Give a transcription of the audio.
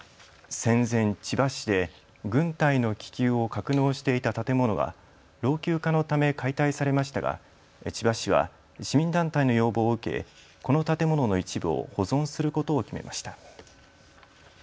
戦前、千葉市で軍隊の気球を格納していた建物が老朽化のため解体されましたが千葉市は市民団体の要望を受け、この建物の一部を保存することを決めました。